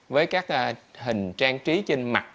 với các hình trang trí trên mặt